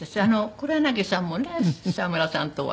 黒柳さんもね沢村さんとは。